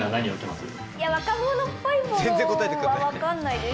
若者っぽいものはわからないです。